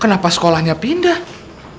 kenapa sekolahnya pindahin